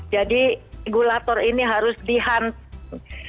jadi regulator ini harus dihunting